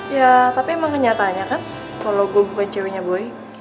ya tapi emang kenyataannya kan kalau gue penciumnya boy